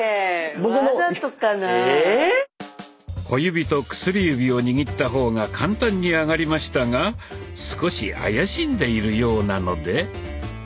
小指と薬指を握った方が簡単に上がりましたが少し怪しんでいるようなので。